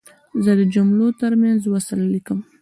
زه د جملو ترمنځ وصل لیکم.